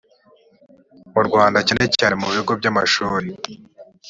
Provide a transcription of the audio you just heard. mu rwanda cyane cyane mu bigo by amashuri